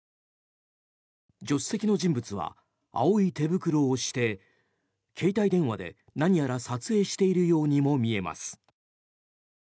助手席の人物は青い手袋をして携帯電話で何やら撮影しているようにも見えます。